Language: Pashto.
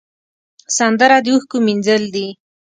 سندره د اوښکو مینځل دي